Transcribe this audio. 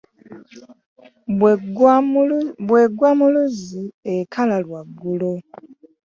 Bwegwa mu luzzi ekala lwaggulo .